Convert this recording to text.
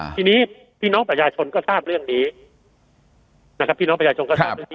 ทีนี้พี่น้องประชาชนก็ทราบเรื่องนี้นะครับพี่น้องประชาชนก็ทราบเรื่องนี้